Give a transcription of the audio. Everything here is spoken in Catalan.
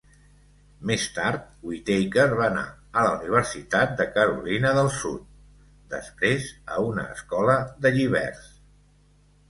Més tard, Whittaker va anar a la Universitat de Carolina del Sud, després a una escola de lliberts.